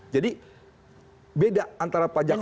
jadi beda antara pajak rokok